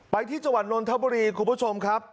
ไปที่จังหวัดนนทบุรีคุณผู้ชมครับ